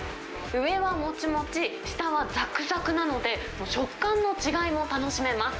上はもちもち、下はざくざくなので、食感の違いも楽しめます。